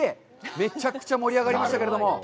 めちゃくちゃ盛り上がりましたけれども。